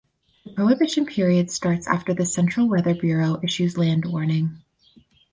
The prohibition period starts after the Central Weather Bureau issues land warning.